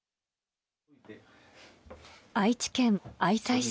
愛知県愛西市。